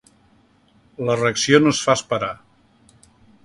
La reacció no es fa esperar.